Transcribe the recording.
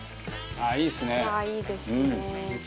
奈緒：いいですね。